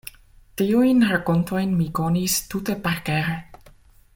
Tiujn rakontojn mi konis tute parkere.